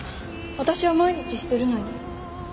私は毎日してるのに。